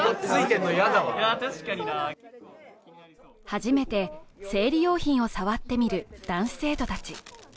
初めて生理用品を触ってみる男子生徒たち。